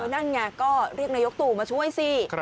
นั่นไงก็เรียกนายกตู่มาช่วยสิ